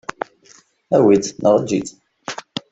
Awi-t neɣ eǧǧ-it.